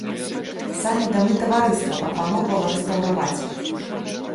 Самі дамы таварыства прапаноўвала рэстаўраваць.